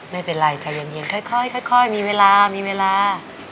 ไม่เป็นไรใจเย็นค่อยมีเวลา